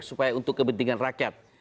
supaya untuk kepentingan rakyat